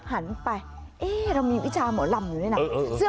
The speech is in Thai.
มอลำคลายเสียงมาแล้วมอลำคลายเสียงมาแล้ว